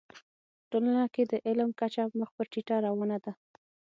په ټولنه کي د علم کچه مخ پر ټيټه روانه ده.